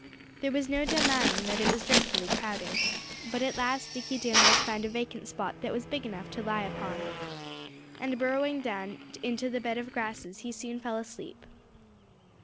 There was no denying that it was dreadfully crowded. But at last Dickie Deer Mouse found a vacant spot that was big enough to lie upon. And burrowing down into the bed of grasses he soon fell asleep.